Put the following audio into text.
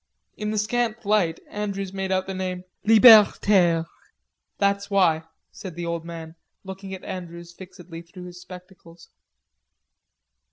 In the scant light Andrews made out the name: "Libertaire." "That's why," said the old man, looking at Andrews fixedly, through his spectacles.